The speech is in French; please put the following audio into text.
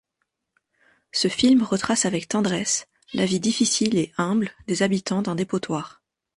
Ce film retrace avec tendresse la vie difficile et humble des habitants d’un dépotoir.